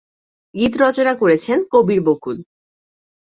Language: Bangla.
গীত রচনা করেছেন কবির বকুল।